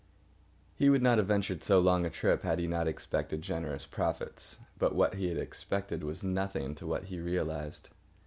He would not have ventured so long a trip had he not expected generous profits. But what he had expected was nothing to what he realised.